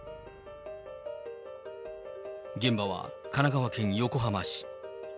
現場は神奈川県横浜市。